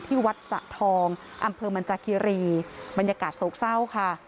ที่วัดสะทองอำเภอมันจากคีรีบรรยากาศโศกเศร้าค่ะ